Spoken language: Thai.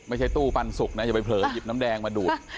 ตู้ปันสุกนะอย่าไปเผลอหยิบน้ำแดงมาดูด